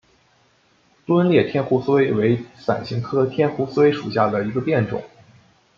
钝裂天胡荽为伞形科天胡荽属下的一个变种。